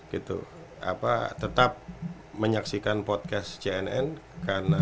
gitu apa tetap menyaksikan podcast cnn karena